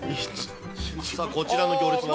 こちらの行列は？